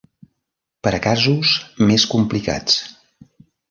Per a casos més complicats.